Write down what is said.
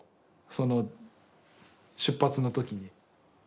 その出発の時に。